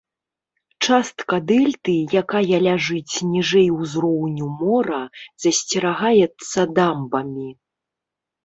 Частка дэльты, якая ляжыць ніжэй ўзроўню мора, засцерагаецца дамбамі.